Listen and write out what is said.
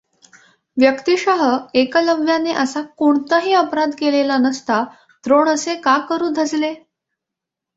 व्यक्तिशः एकलव्याने असा कोणताही अपराध केलेला नसता द्रोण असे का करू धजले?